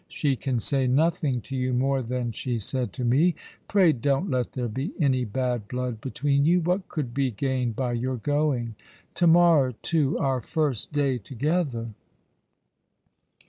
She can say nothing to you more than she said to me. Pray don't let there be any bad blood between you. What could be gained by your going? To morrow, too — our first day together!"